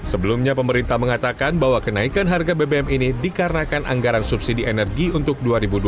sebelumnya pemerintah mengatakan bahwa kenaikan harga bbm ini dikarenakan anggaran subsidi energi untuk dua ribu dua puluh